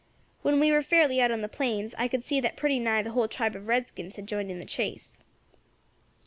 When we were fairly out on the plains, I could see that pretty nigh the whole tribe of redskins had joined in the chase.